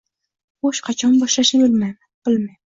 Xoʻsh, qachon boshlashni, bilmayman, bilmayman...